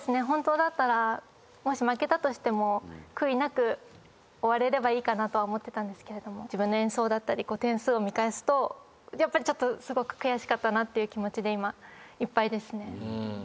本当だったらもし負けたとしても悔いなく終われればいいかなとは思ってたんですけれども自分の演奏だったり点数を見返すとやっぱりすごく悔しかったなっていう気持ちで今いっぱいですね。